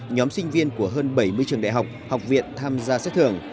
nhóm sinh viên của hơn bảy mươi trường đại học học viện tham gia xét thưởng